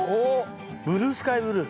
ブルースカイブルー。